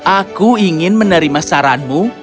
aku ingin menerima saranmu